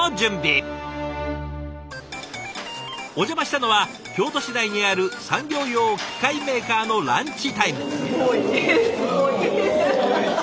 お邪魔したのは京都市内にある産業用機械メーカーのランチタイム。